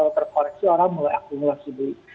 terkoreksi orang mulai akumulasi beli